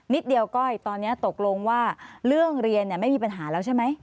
เดียวก้อยตอนนี้ตกลงว่าเรื่องเรียนไม่มีปัญหาแล้วใช่ไหม